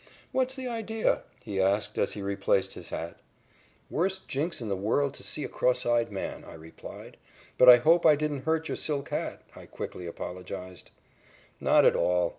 "What's the idea?" he asked as he replaced his hat. "Worst jinx in the world to see a cross eyed man," I replied. "But I hope I didn't hurt your silk hat," I quickly apologized. "Not at all.